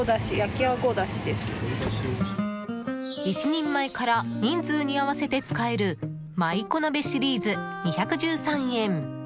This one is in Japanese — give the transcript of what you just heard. １人前から人数に合わせて使えるｍｙこなべシリーズ２１３円。